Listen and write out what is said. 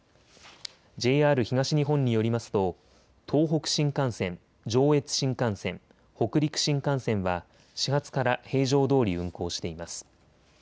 ＪＲ東日本によりますと東北新幹線、上越新幹線、北陸新幹線は始発から平常どおり運行しています。